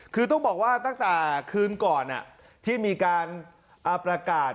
คือต้องบอกว่าตั้งแต่คืนก่อนที่มีการประกาศ